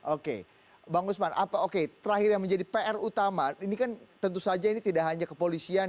oke bang usman oke terakhir yang menjadi pr utama ini kan tentu saja ini tidak hanya kepolisian